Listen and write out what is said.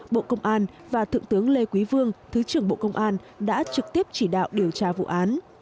bộ công an và thượng tướng lê quý vương thứ trưởng bộ công an đã trực tiếp chỉ đạo điều tra vụ án